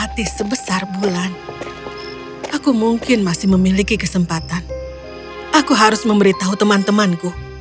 terima kasih banyak